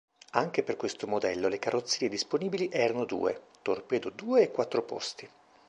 Anche per questo modello le carrozzerie disponibili erano due, torpedo due e quattro posti.